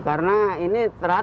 karena ini terat